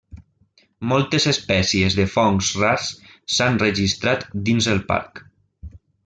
Moltes espècies de fongs rars s'han registrat dins el parc.